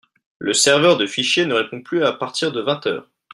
Le serveur de fichier ne répond plus à partir de vingt heure